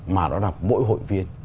mà nó là mỗi hội viên